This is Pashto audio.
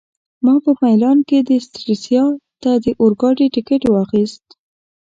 ما په میلان کي سټریسا ته د اورګاډي ټکټ واخیست.